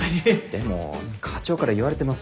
でも課長から言われてます。